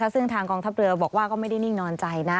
ซึ่งทางกองทัพเรือบอกว่าก็ไม่ได้นิ่งนอนใจนะ